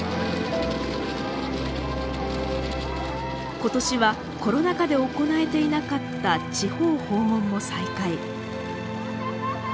ことしはコロナ禍で行えていなかった地方訪問も再開。